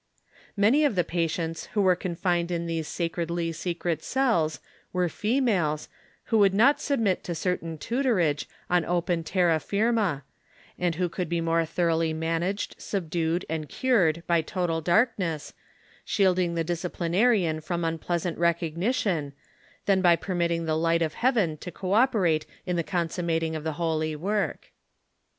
Many of the patients who were confined in these sacredly secret cells were females, who would not submit to certain tutorage on open terra firma, and who could be more thor oughly managed, subdued and cured by total darkness, shielding the disciplinarian from unpleasant recognition, than by permitting the light of heaven to co operate in the consummating of the holy work.